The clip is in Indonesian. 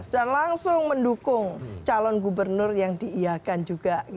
dan langsung mendukung calon gubernur yang diiakan juga